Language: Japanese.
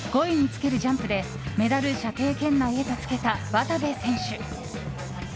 ５位につけるジャンプでメダル射程圏内へとつけた渡部選手。